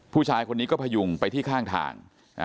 ผู้ชายคนนี้ก็พยุงไปที่ข้างทาง